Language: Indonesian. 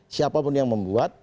siapapun yang membuat